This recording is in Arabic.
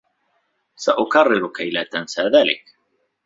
سأكرّر كي لا تنسى ذلك.